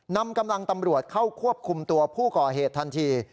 นำกำลังตำรวจเข้าควบคุมตัวผู้ก่อเหตุทันที